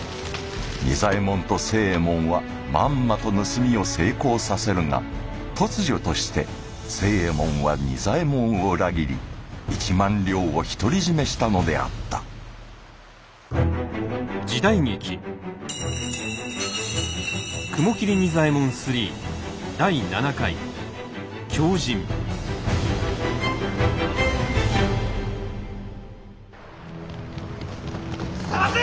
仁左衛門と星右衛門はまんまと盗みを成功させるが突如として星右衛門は仁左衛門を裏切り１万両を独り占めしたのであった捜せ！